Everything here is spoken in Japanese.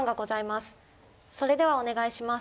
それではお願いします。